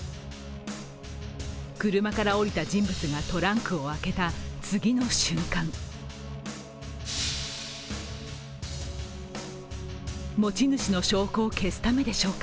車から降りた人物がトランクを開けた次の瞬間持ち主の証拠を消すためでしょうか